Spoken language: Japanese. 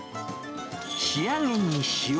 仕上げに塩。